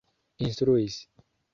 instruis